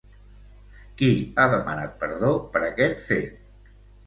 Qui ha demanat perdó per aquest fet?